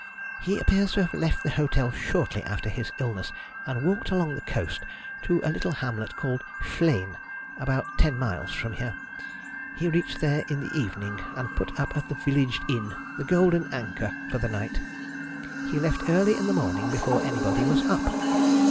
"He appears to have left the hotel shortly after his illness, and walked along the coast to a little hamlet called Flegne, about ten miles from here. He reached there in the evening, and put up at the village inn, the Golden Anchor, for the night. He left early in the morning, before anybody was up.